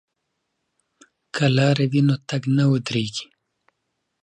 که لاره وي نو تګ نه ودریږي.